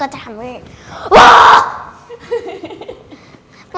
จริง